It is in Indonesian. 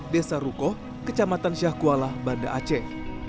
desa rukoh kecamatan syahkuala banda aceh